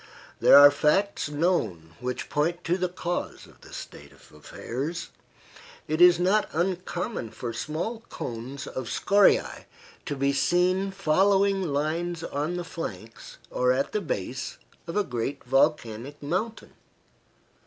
There are facts known which point to the cause of this state of affairs. It is not uncommon for small cones of scoriae to be seen following lines on the flanks or at the base of a great volcanic mountain.